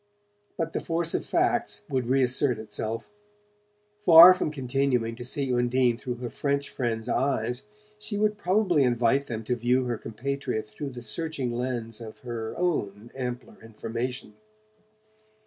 But the force of facts would reassert itself. Far from continuing to see Undine through her French friends' eyes she would probably invite them to view her compatriot through the searching lens of her own ampler information.